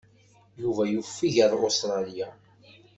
Yuba yufeg ar Ustṛalya.